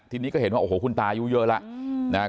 ทีนี้ก็เห็นว่าโอ้โหคุณตายูเยอะแล้วนะครับ